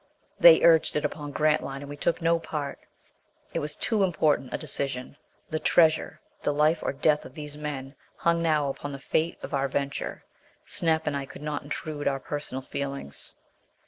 They urged it upon Grantline, and we took no part. It was too important a decision. The treasure the life or death of all these men hung now upon the fate of our venture. Snap and I could not intrude our personal feelings.